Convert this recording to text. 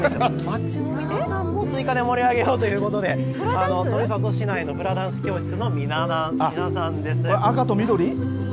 町の皆さんもスイカで盛り上げようということで、富里市内のフラダンス教室の皆さんです。